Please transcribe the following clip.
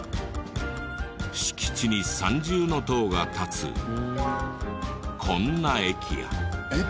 敷地に三重塔が立つこんな駅や。